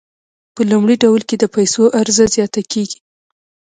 په لومړي ډول کې د پیسو عرضه زیاته کیږي.